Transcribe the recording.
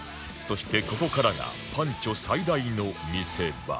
そしてここからがパンチョ最大の見せ場